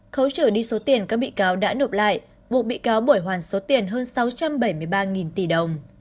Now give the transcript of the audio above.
khấu trừ đi số tiền các bị cáo đã nộp lại buộc bị cáo bồi hoàn số tiền hơn sáu trăm bảy mươi ba tỷ đồng